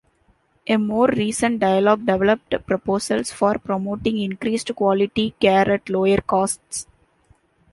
A more recent dialogue developed proposals for promoting increased quality care at lower costs.